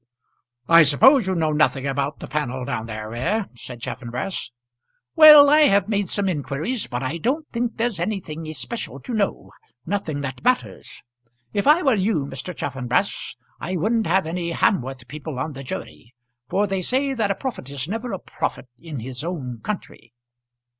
"I suppose you know nothing about the panel down there, eh?" said Chaffanbrass. "Well, I have made some inquiries; but I don't think there's anything especial to know; nothing that matters. If I were you, Mr. Chaffanbrass, I wouldn't have any Hamworth people on the jury, for they say that a prophet is never a prophet in his own country."